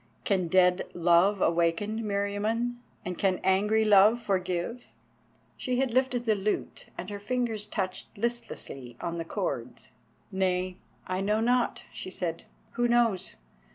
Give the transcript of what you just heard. "Can dead Love waken, Meriamun, and can angry Love forgive?" She had lifted the lute and her fingers touched listlessly on the cords. "Nay, I know not," she said; "who knows?